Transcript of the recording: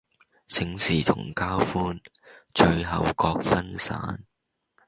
醒時同交歡，醉後各分散